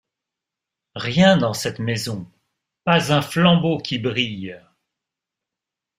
Rien dans cette maison! pas un flambeau qui brille !